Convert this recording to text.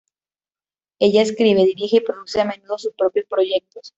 Ella escribe, dirige y produce a menudo sus propios proyectos.